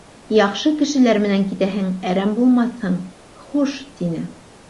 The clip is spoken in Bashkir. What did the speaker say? Яҡшы кешеләр менән китәһең, әрәм булмаҫһың, хуш, — тине.